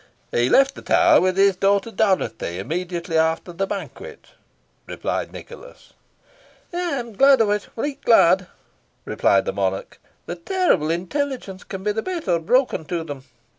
"He left the Tower with his daughter Dorothy, immediately after the banquet," replied Nicholas. "I am glad of it right glad," replied the monarch; "the terrible intelligence can be the better broken to them.